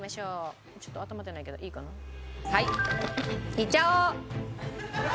いっちゃおう！